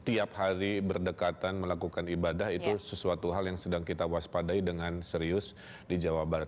setiap hari berdekatan melakukan ibadah itu sesuatu hal yang sedang kita waspadai dengan serius di jawa barat